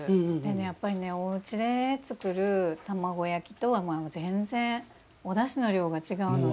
やっぱりおうちで作る卵焼きとは全然おだしの量が違うので。